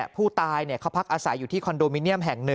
ผู้ตายเขาพักอาศัยอยู่ที่คอนโดมิเนียมแห่ง๑